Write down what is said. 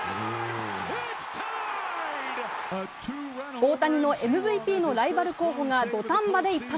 大谷のＭＶＰのライバル候補が土壇場で一発。